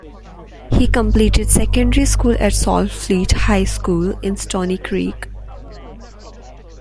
He completed secondary school at Saltfleet High School in Stoney Creek.